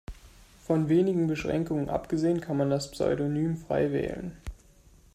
Von wenigen Beschränkungen abgesehen kann man das Pseudonym frei wählen.